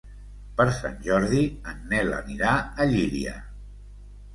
Per Sant Jordi en Nel anirà a Llíria.